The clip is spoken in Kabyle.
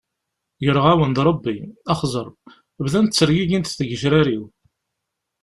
Greɣ-awen-d Rebbi, xẓer, bdant ttergigint tgecrar-iw.